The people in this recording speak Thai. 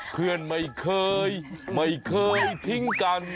เพื่อนไม่เคยไม่เคยทิ้งกัน